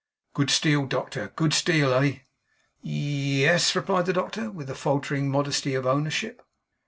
'Good steel, doctor. Good steel! Eh!' 'Ye es,' replied the doctor, with the faltering modesty of ownership.